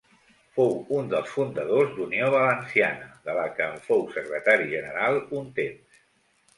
Fou un dels fundadors d'Unió Valenciana, de la que en fou secretari general un temps.